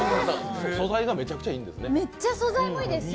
素材がめっちゃいいんですね？